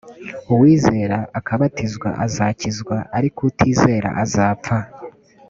uwizera akabatizwa azakizwa ariko utizera azapfa